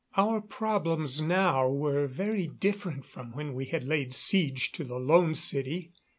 Our problems now were very different from when we had laid siege to the Lone City.